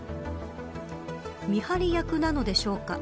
見張り役なのでしょうか。